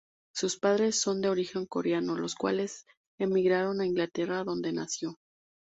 Sus padres son de origen coreano, los cuales emigraron a Inglaterra donde nació.